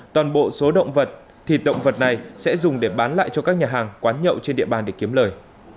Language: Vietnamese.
toàn bộ số động vật thì động vật này sẽ dùng để bán lại cho các nhà hàng quán nhậu trên địa bàn để kiếm lời